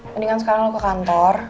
mendingan sekarang ke kantor